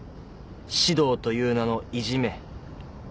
指導という名のいじめ。